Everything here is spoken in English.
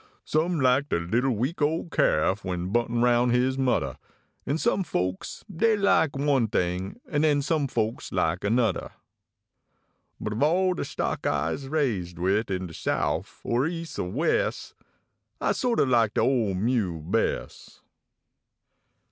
Some likede little week ol calf w en buntin roun hits mudder An some folks dey like one thing an den some folks like anudder ; But fall de stock I se raised wid in de Souf, erEas er Wes I so t o like de ole mule bes .